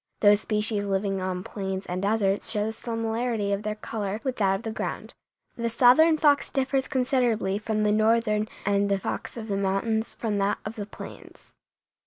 Those species living on plains and deserts show the similarity of their color with that of the ground; the southern fox differs considerably from the northern and the fox of the mountains from that of the plains.